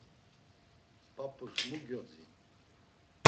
P̌ap̌us mu gyodzin?